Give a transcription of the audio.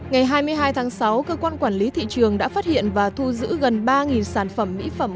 ngày hai mươi hai tháng sáu cơ quan quản lý thị trường đã phát hiện và thu giữ gần ba sản phẩm mỹ phẩm